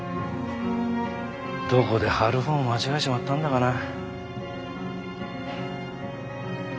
どこで張る方を間違えちまったんだかな。